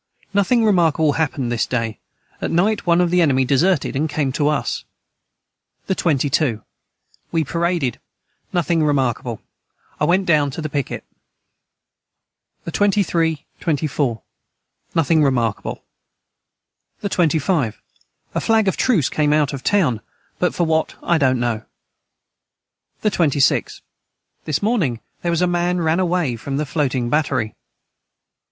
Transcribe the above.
Nothing remarkable hapened this day at night one of the enemy deserted and came to us. the 22. We paraded nothing remarkable I went down to the piquet. the 23, 24. Nothing remarkable. the 25. A flag of truce came out of town but for what I dont know. the 26. This morning their was a man ran away from the floating battery.